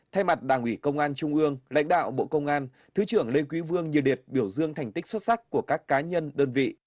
thay mặt đảng ủy công an trung ương lãnh đạo bộ công an thứ trưởng lê quý vương nhiệt liệt biểu dương thành tích xuất sắc của các cá nhân đơn vị